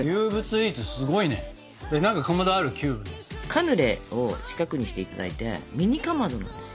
カヌレを四角にしていただいてミニかまどなんですよ。